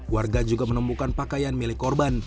warga juga menemukan pakaian milik korban